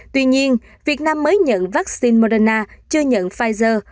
tuy nhiên việt nam mới nhận vắc xin moderna chưa nhận pfizer